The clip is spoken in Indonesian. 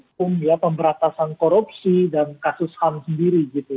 hukum ya pemberantasan korupsi dan kasus ham sendiri gitu